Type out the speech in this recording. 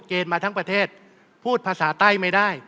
มาทั้งประเทศพูดภาษาใต้ไม่ได้